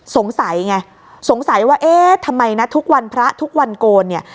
สงสัยไงสงสัยว่าเอ๊ะทำไมนะทุกวันพระทุกวันโกนเนี่ย